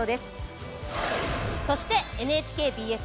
そしてＮＨＫＢＳ